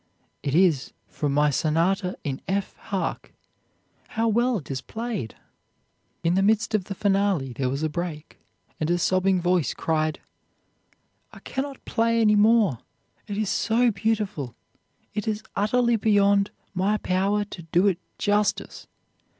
It is from my Sonata in F. Hark! how well it is played!' "In the midst of the finale there was a break, and a sobbing voice cried: 'I cannot play any more. It is so beautiful; it is utterly beyond my power to do it justice.